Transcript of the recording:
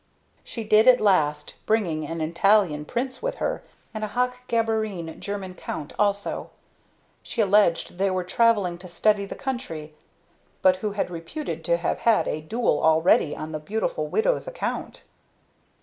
She did at last, bringing an Italian Prince with her, and a Hoch Geborene German Count also, who alleged they were travelling to study the country, but who were reputed to have had a duel already on the beautiful widow's account.